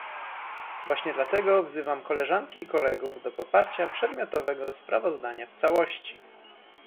Właśnie dlatego wzywam Koleżanki i Kolegów do poparcia przedmiotowego sprawozdania w całości